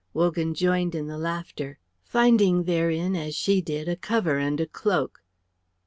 Wogan joined in the laughter, finding therein as she did a cover and a cloak.